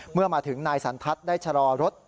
เมื่อมาถึงนายสันทัศน์ได้ชะลอรถ